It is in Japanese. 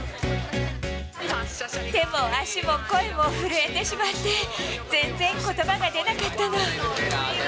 手も足も声も震えてしまって、全然ことばが出なかったの。